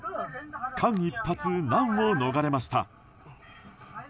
間一髪、難を逃れました。